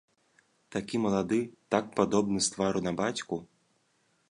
Такі малады, так падобны з твару на бацьку.